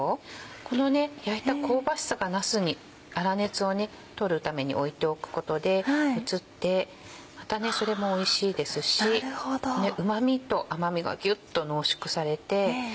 この焼いた香ばしさがなすに粗熱を取るために置いておくことで移ってまたそれもおいしいですしうま味と甘味がギュっと濃縮されて。